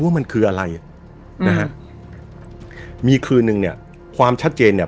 ว่ามันคืออะไรนะฮะมีคืนนึงเนี่ยความชัดเจนเนี่ย